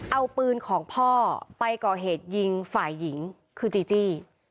เอาปืนของพ่อไปก่อเหตุยิงฝ่ายหญิงคือจีจี้